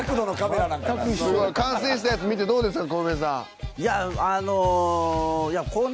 完成したやつ見てどうですかコウメさん。